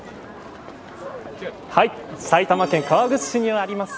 埼玉県川口市にあります。